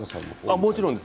もちろんです。